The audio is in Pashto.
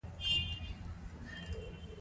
ګرګين آهنګر ته ورغی.